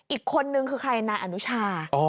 อีกคนนึงคือใครนายอนุชา